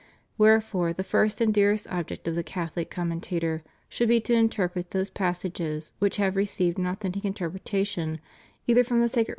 Wherefore the first and dearest object of the CathoUc commentator should be to interpret those passages which have received an authentic interpretation either from the sacred writers ^C.